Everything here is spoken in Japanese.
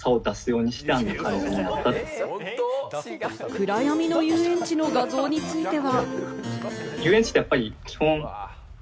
暗闇の遊園地の画像については。